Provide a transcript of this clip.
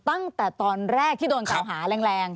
ตั้งแต่ตอนแรกที่โดนกล่าวหาแรง